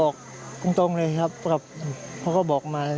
ครับ